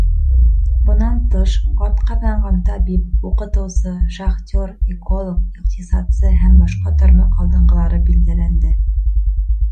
Бынан тыш, атҡаҙанған табип, уҡытыусы, шахтер, эколог, иҡтисадсы һәм башҡа тармаҡ алдынғылары билдәләнде.